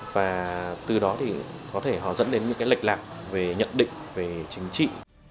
và từ đó thì có thể họ dẫn đến những lệch lạc về nhận định về chính trị